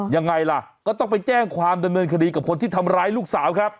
ยังไงล่ะก็ต้องไปแจ้งความดำเนินคดีกับคนที่ทำร้ายลูกสาวครับ